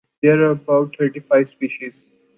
There are about thirty five species.